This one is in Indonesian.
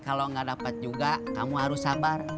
kalau nggak dapat juga kamu harus sabar